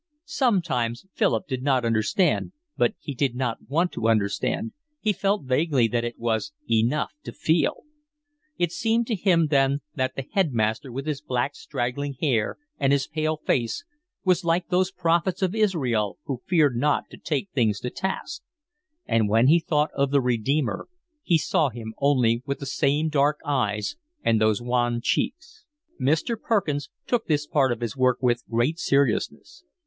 Sometimes Philip did not understand, but he did not want to understand, he felt vaguely that it was enough to feel. It seemed to him then that the headmaster, with his black, straggling hair and his pale face, was like those prophets of Israel who feared not to take kings to task; and when he thought of the Redeemer he saw Him only with the same dark eyes and those wan cheeks. Mr. Perkins took this part of his work with great seriousness.